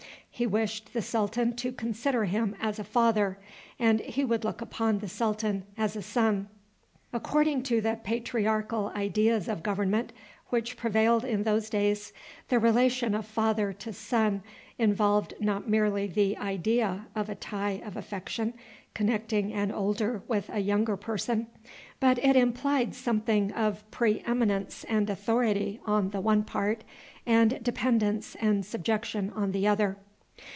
He wished the sultan to consider him as a father, and he would look upon the sultan as a son. According to the patriarchal ideas of government which prevailed in those days, the relation of father to son involved not merely the idea of a tie of affection connecting an older with a younger person, but it implied something of pre eminence and authority on the one part, and dependence and subjection on the other.